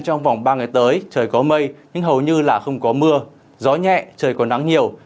trong vòng ba ngày tới trời có mây nhưng hầu như là không có mưa gió nhẹ trời còn nắng nhiều